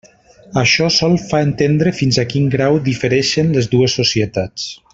Això sol fa entendre fins a quin grau difereixen les dues societats.